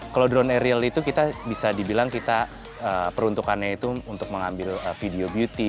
kalau drone ariel itu kita bisa dibilang kita peruntukannya itu untuk mengambil video beauty